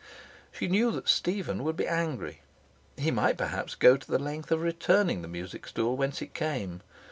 She knew that Stephen would be angry. He might perhaps go to the length of returning the music stool whence it came.